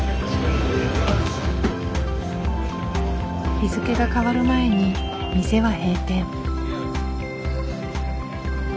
日付が変わる前に店は閉店。